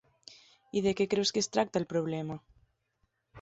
I de què creus que es tracta el problema?